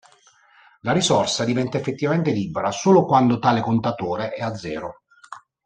La risorsa diventa effettivamente libera solo quando tale contatore è a zero.